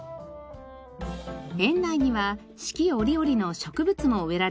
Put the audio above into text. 園内には四季折々の植物も植えられています。